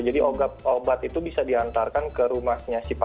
jadi obat itu bisa diantarkan ke rumah